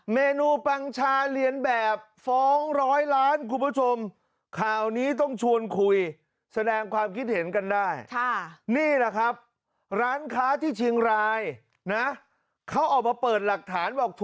เมนูปังชาเหรียญแบบฟ้องร้อยล้านคุณผู้ชม